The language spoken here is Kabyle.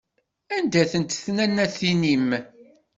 Anda-tent tnannatin-im?